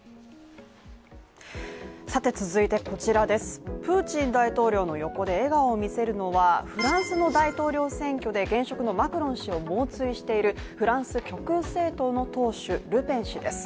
続いて、プーチン大統領の横で笑顔を見せるのは、フランスの大統領選挙で現職のマクロン氏を猛追しているフランス極右政党の党首ルペン氏です。